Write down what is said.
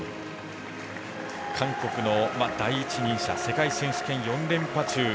韓国の第一人者世界選手権４連覇中。